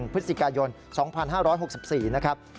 พฤศจิกายน๒๕๖๔นะครับ